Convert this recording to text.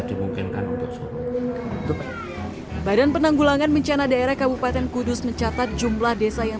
dimungkinkan untuk semua badan penanggulangan bencana daerah kabupaten kudus mencatat jumlah desa yang